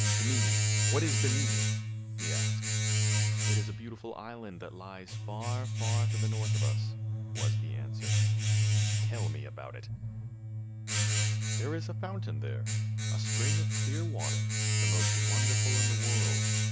""" Bimini ! What is Bimini ?" he asked. " It is a beautiful island that lies far, far to the north of us," was the answer. " Tell me about it." 26 THIRTY MORE FAMOUS STORIES " There is a fountain there, a spring of clear water, the most wonderful in the world.